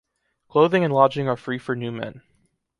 Clothing and lodging are free for new men.